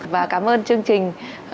và cảm ơn chương trình